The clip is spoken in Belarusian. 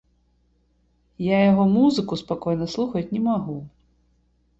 Я яго музыку спакойна слухаць не магу.